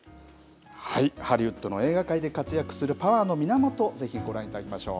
ハリウッドの映画界で活躍するパワーの源、ぜひご覧いただきましょう。